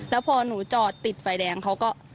แล้วพอหนูจอดติดไฟแดงเขาก็